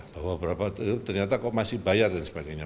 bahwa berapa ternyata kok masih bayar dan sebagainya